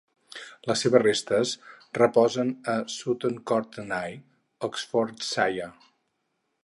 Les seves restes reposen a Sutton Courtenay, Oxfordshire.